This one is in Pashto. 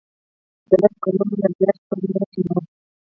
د لس کلونو نه زیات شپږ میاشتې معاش.